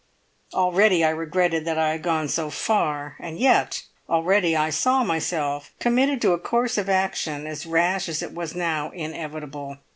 Already I regretted that I had gone so far, and yet already I saw myself committed to a course of action as rash as it was now inevitable.